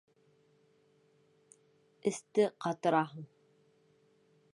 Эсте ҡатыраһың!